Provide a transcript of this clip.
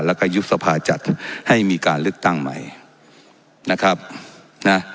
แล้วก็ยุบสภาจัดให้มีการเลือกตั้งใหม่นะครับนะ